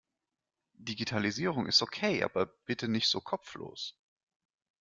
Digitalisierung ist okay, aber bitte nicht so kopflos!